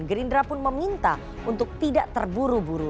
gerindra pun meminta untuk tidak terburu buru